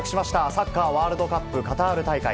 サッカーワールドカップカタール大会。